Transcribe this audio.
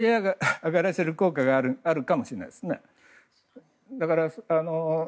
そういう震え上がらせる効果があるかもしれないですね。